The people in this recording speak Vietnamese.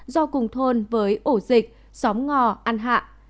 do cùng thôn với ổ dịch xóm ngò ăn hạ